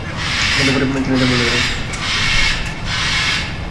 কিন্তু পরে তিনি তা বলতে ভুলে গেলেন।